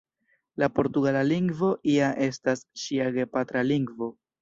La portugala lingvo ja estas ŝia gepatra lingvo.